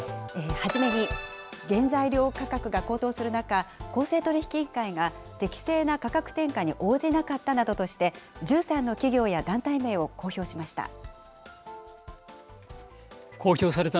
はじめに、原材料価格が高騰する中、公正取引委員会が、適正な価格転嫁に応じなかったなどとして、１３の企業や団体名を公表しました。